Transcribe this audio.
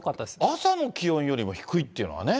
朝の気温よりも低いっていうのはね。